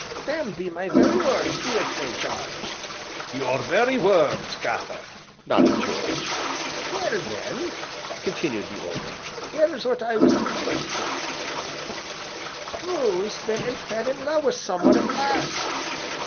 Them be my very words, bean't they, Jarge?" "Your very words, Gaffer," nodded George. "Well then," continued the old man, "'ere's what I was a comin' to Prue 's been an' fell in love wi' some 'un at last."